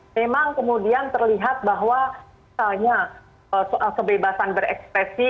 memang kemudian terlihat bahwa misalnya soal kebebasan berekspresi